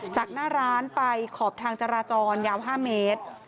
จากหน้าร้านไปขอบทางจราจรยาว๕เมตร